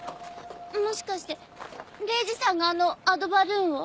もしかして礼二さんがあのアドバルーンを？